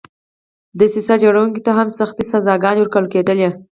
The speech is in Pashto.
دسیسه جوړوونکو ته هم سختې سزاګانې ورکول کېدلې.